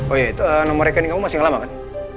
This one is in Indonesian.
oh iya itu nomor rekening kamu masih lama kan